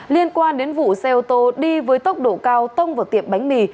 liên quan đến vụ xe ô tô đi với tốc độ cao tông vào tiệm bánh mì